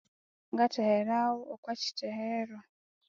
Ngatheheragho okwa kyithehero.